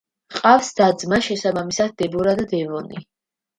ჰყავს და-ძმა, შესაბამისად დებორა და დევონი.